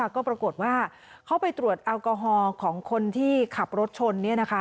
ก็ปรากฏว่าเขาไปตรวจแอลกอฮอล์ของคนที่ขับรถชน